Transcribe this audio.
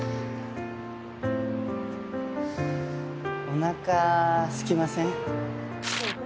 おなかすきません？